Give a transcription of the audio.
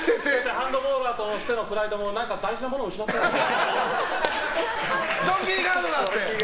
ハンドボールだとしてもプライドとか何か大事なものを失ったような。